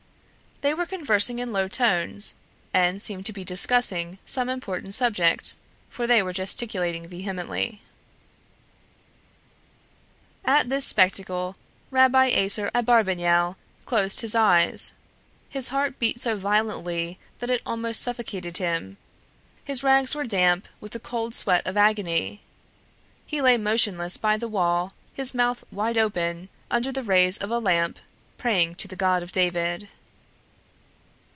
They were conversing in low tones, and seemed to be discussing some important subject, for they were gesticulating vehemently. At this spectacle Rabbi Aser Abarbanel closed his eyes: his heart beat so violently that it almost suffocated him; his rags were damp with the cold sweat of agony; he lay motionless by the wall, his mouth wide open, under the rays of a lamp, praying to the God of David.